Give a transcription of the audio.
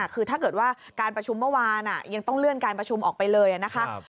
คือถ้าเกิดว่าการประชุมเมื่อวานยังต้องเลื่อนการประชุมออกไปเลยนะคะ